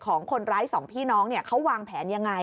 ของคนร้ายสองพี่น้องเขาวางแผนยังไง